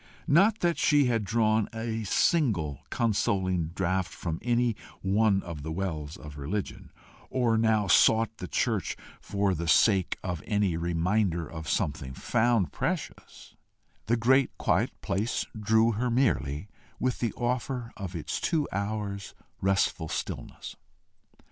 Not that she had drawn a single consoling draught from any one of the wells of religion, or now sought the church for the sake of any reminder of something found precious: the great quiet place drew her merely with the offer of its two hours' restful stillness.